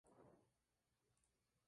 Produce cacahuetes.